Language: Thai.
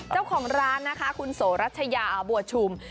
เจ้าของร้านนะคะคุณโสรัชยาบัวชุม